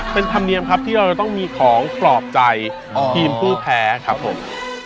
เป็นธรรมเนียมครับที่เราจะต้องมีของปลอบใจทีมผู้แพ้ครับผม